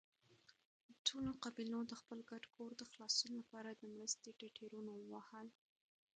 ټولو قبيلو د خپل ګډ کور د خلاصون له پاره د مرستې ټټرونه ووهل.